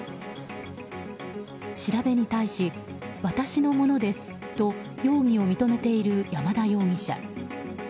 調べに対し、私のものですと容疑を認めている山田容疑者。